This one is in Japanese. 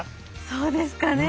そうですかね。